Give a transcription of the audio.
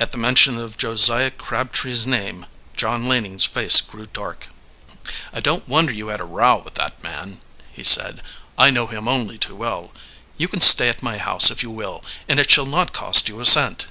At the mention of Josiah Crabtree's name John Laning's face grew dark. "I don't wonder you had a row with that man," he said. "I know him only too well. You can stay at my house if you will, and it shall not cost you a cent."